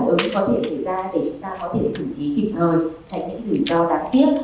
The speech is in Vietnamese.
để chúng ta có thể xử trí kịp thời tránh những rủi ro đáng tiếc